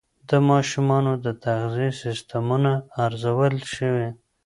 د ماشومانو د تغذیې سیستمونه ارزول شوي.